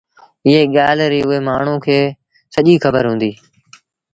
ايئي ڳآل ريٚ اُئي مآڻهوٚٚݩ کي سڄيٚ کبر هُݩديٚ